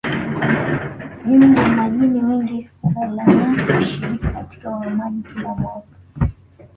Nyumbu na wanyama wengi walanyasi hushiriki katika uhamaji kila mwaka